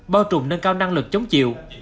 bao trùm nâng cao năng lực chống chịu